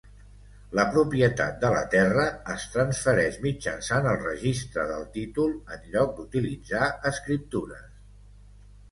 La propietat de la terra es transfereix mitjançant el registre del títol en lloc d'utilitzar escriptures.